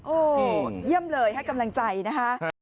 โอ้โหเยี่ยมเลยให้กำลังใจนะคะ